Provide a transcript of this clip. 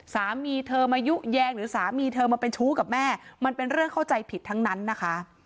สามีเธอมายุแยงหรือสามีเธอมาเป็นชู้กับแม่มันเป็นเรื่องเข้าใจผิดทั้งนั้นนะคะ